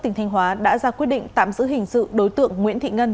tỉnh thanh hóa đã ra quyết định tạm giữ hình sự đối tượng nguyễn thị ngân